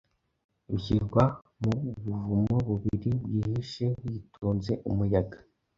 Bishyirwa mu buvumo bubiri Byihishe witonze umuyaga,